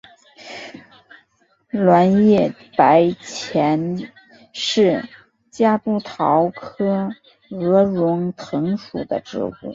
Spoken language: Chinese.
卵叶白前是夹竹桃科鹅绒藤属的植物。